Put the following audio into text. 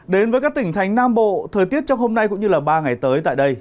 đến với các tỉnh thành nam bộ thời tiết trong hôm nay cũng như ba ngày tới tại đây